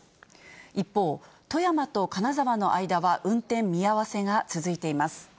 一方、富山と金沢の間は運転見合わせが続いています。